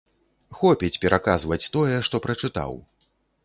Хопіць пераказваць тое, што прачытаў.